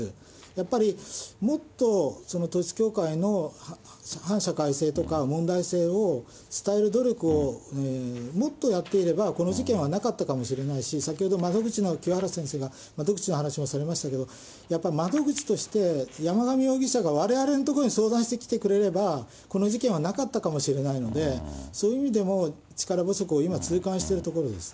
やっぱり、もっと統一教会の反社会性とか問題性を伝える努力をもっとやっていれば、この事件はなかったかもしれないし、先ほど窓口の清原先生が窓口の話もされましたけれども、やっぱり窓口として、山上容疑者がわれわれのところに相談してきてくれれば、この事件はなかったかもしれないので、そういう意味でも、力不足を今、痛感しているところです。